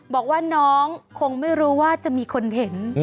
บอกว่าน้องคงไม่รู้ว่าจะมีคนเห็น